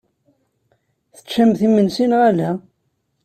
Teččamt imensi neɣ ala?